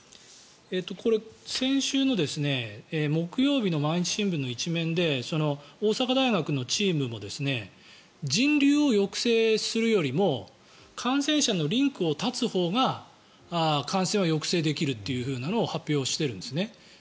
先週の木曜日の毎日新聞の１面で大阪大学のチームも人流を抑制するよりも感染者のリンクを断つほうが感染を抑制できるということを発表しているんですね。